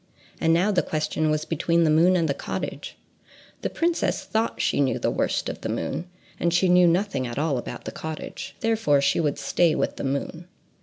And now the question was between the moon and the cottage. The princess thought she knew the worst of the moon, and she knew nothing at all about the cottage, therefore she would stay with the moon.